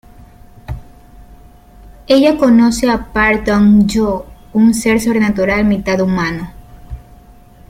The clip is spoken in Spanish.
Ella conoce a Park Dong Joo, un ser sobrenatural mitad humano.